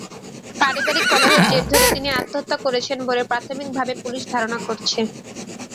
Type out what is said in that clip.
পারিবারিক কলহের জের ধরে তিনি আত্মহত্যা করেছেন বলে প্রাথমিকভাবে পুলিশ ধারণা করছে।